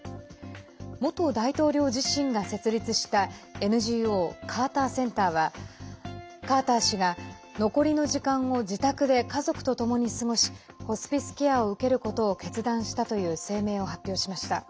元大統領自身が設立したＮＧＯカーター・センターはカーター氏が、残りの時間を自宅で家族とともに過ごしホスピスケアを受けることを決断したという声明を発表しました。